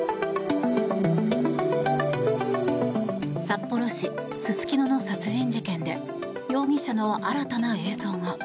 札幌市・すすきのの殺人事件で容疑者の新たな映像が。